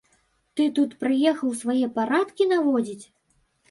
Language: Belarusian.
Ты тут прыехаў свае парадкі наводзіць?